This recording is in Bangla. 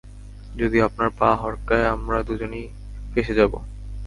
যদি আপনার পা হড়কায়, আমরা দুজনই ফেঁসে যাবো।